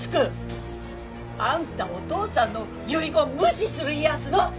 匡！あんたお父さんの遺言無視するいいやすの？